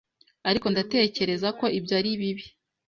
Ariko ndatekereza ko ibyo ari bibi